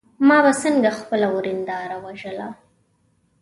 ما به څنګه خپله ورېنداره وژله.